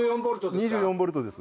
２４ボルトです。